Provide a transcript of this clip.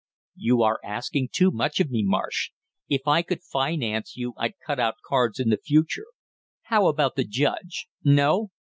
"You are asking too much of me, Marsh. If I could finance you I'd cut out cards in the future. How about the judge, no?